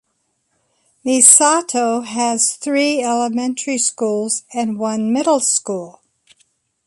Misato has three elementary schools and one middle school.